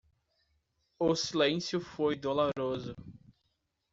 O silêncio foi doloroso.